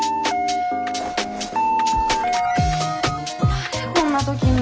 誰こんな時に。